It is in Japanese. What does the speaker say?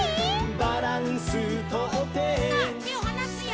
「バランスとって」さあてをはなすよ。